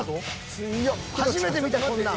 初めて見たこんなん。